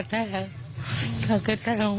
คอยจะขึ้นสู่ข้างบนแถมทุบบนค่ะ